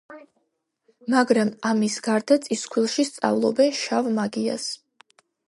მაგრამ ამის გარდა, წისქვილში სწავლობენ შავ მაგიას.